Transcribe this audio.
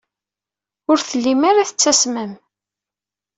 Ur tellim ara tettasmem.